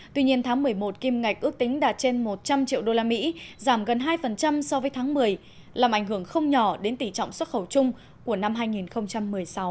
tuy nhiên tháng một mươi một kim ngạch ước tính đạt trên một trăm linh triệu usd giảm gần hai so với tháng một mươi làm ảnh hưởng không nhỏ đến tỷ trọng xuất khẩu chung của năm hai nghìn một mươi sáu